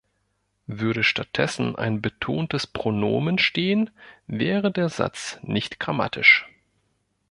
Würde stattdessen ein betontes Pronomen stehen, wäre der Satz nicht grammatisch.